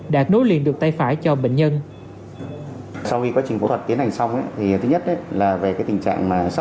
đã nối liền được tay phải cho bệnh nhân